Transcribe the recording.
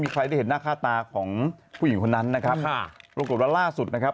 มีใครจะเห็นหน้าค่าตาของผู้หญิงคนนั้นนะครับครับรรรร่า